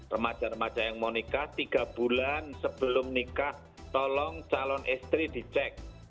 remaja remaja yang mau nikah tiga bulan sebelum nikah tolong calon istri dicek